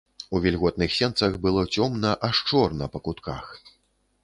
У вільготных сенцах было цёмна, аж чорна па кутках.